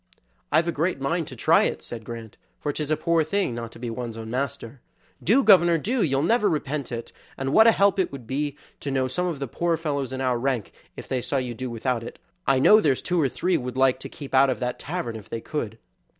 "I've a great mind to try at it," said Grant, "for 'tis a poor thing not to be one's own master." "Do, governor, do, you'll never repent it, and what a help it would be to some of the poor fellows in our rank if they saw you do without it. I know there's two or three would like to keep out of that tavern if they could."